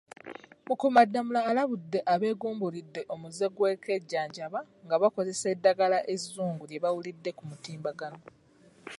Mukuumaddamula alabudde abeegumbulidde omuze gw’okwejjanjaba nga bakozesa eddagala ezzungu lye bawulidde ku mutimbagano.